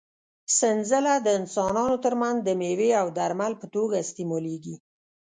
سنځله د انسانانو تر منځ د مېوې او درمل په توګه استعمالېږي.